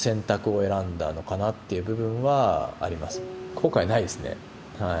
後悔ないですねはい。